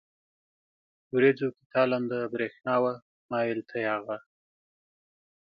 ورېځو کې تالنده برېښنا وه، ما وېل ته يې هغه.